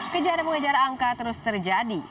kejar mengejar angka terus terjadi